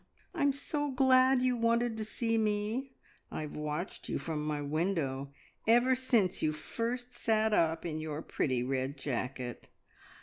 I'm so glad you wanted to see me. I have watched you from my window, ever since you first sat up in your pretty red jacket."